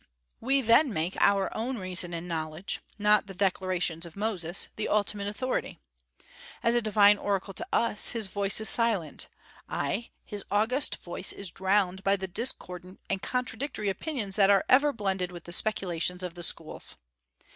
We then make our own reason and knowledge, not the declarations of Moses, the ultimate authority. As a divine oracle to us, his voice is silent; ay, his august voice is drowned by the discordant and contradictory opinions that are ever blended with the speculations of the schools.